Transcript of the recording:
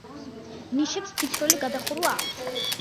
ნიშებს ფიცრული გადახურვა აქვს.